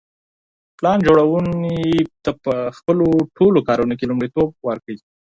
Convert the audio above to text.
پلان جوړوني ته په خپلو ټولو کارونو کي لومړیتوب ورکړئ.